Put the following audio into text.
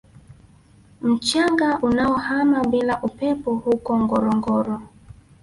Mchanga unaohama bila upepo huko Ngorongoro